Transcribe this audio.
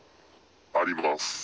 あります。